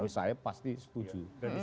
saya pasti setuju